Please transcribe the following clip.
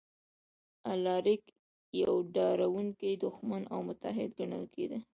الاریک یو ډاروونکی دښمن او متحد ګڼل کېده